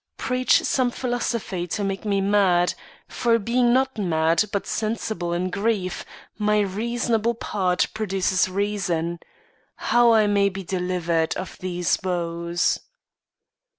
Preach some philosophy to make me mad, For being not mad, but sensible of grief, My reasonable part produces reason How I may be delivered of these woes.